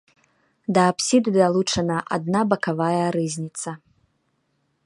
Да апсіды далучана адна бакавая рызніца.